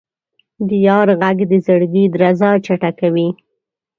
د یار ږغ د زړګي درزا چټکوي.